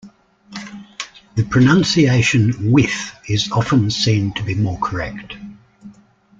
The pronunciation with is often seen to be more correct.